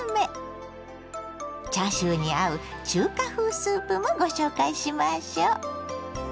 チャーシューに合う中華風スープもご紹介しましょ。